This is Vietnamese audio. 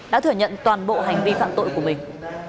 đã thừa nhận toàn bộ hành vi phạm tội của mình